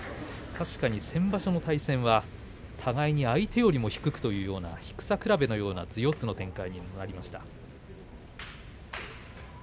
先場所の対戦は互いに相手より低くという低さ比べのような四つの展開になりました。